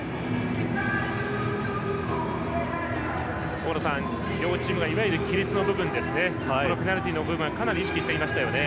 大野さん、両チームがいわゆる規律の部分ペナルティーの部分はかなり意識していますよね。